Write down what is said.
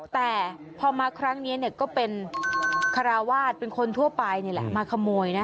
แต่พอมาครั้งนี้ก็เป็นคาราวาสเป็นคนทั่วไปนี่แหละมาขโมยนะ